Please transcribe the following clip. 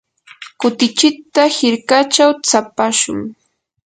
kutichita hirkachaw tsapashun.